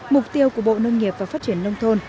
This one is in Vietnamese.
mục tiêu của bộ nông nghiệp và phát triển nông thôn